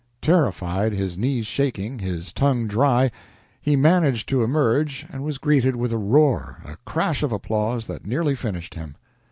Terrified, his knees shaking, his tongue dry, he managed to emerge, and was greeted with a roar, a crash of applause that nearly finished him.